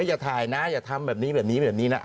อย่าถ่ายนะอย่าทำแบบนี้แบบนี้แบบนี้นะ